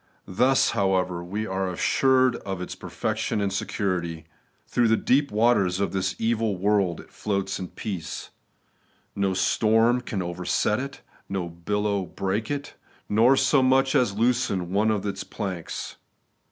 Thus, however, we axe assured of its perfection and security. Through the deep waters of this evil world it floats in peace. No storm can overset it, no billow break it, nor so much as loosen one of its planks.